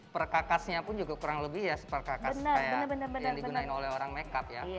perkakasnya pun juga kurang lebih ya seperkakas kayak yang digunakan oleh orang makeup ya